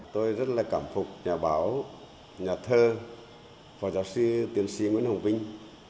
tôi rất là cảm phục nhà báo nhà thơ phó giáo sư tiến sĩ nguyễn hồng vinh